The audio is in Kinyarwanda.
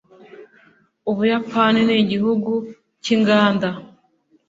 ubuyapani nigihugu cyinganda